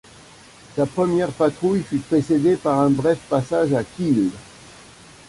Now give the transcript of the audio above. Sa première patrouille fut précédée par un bref passage à Kiel.